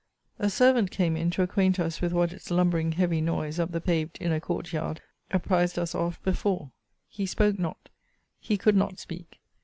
A servant came in to acquaint us with what its lumbering heavy noise up the paved inner court yard apprized us of before. He spoke not. He could not speak.